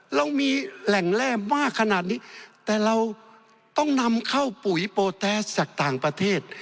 เรามีแหล่งแร่มากขนาดนี้แต่เราต้องนำเข้าปุ๋ยโปรแตสจากต่างประเทศ